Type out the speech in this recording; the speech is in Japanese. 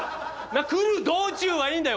来る道中はいいんだよ！